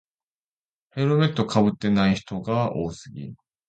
ヘルメットかぶってない人が多すぎ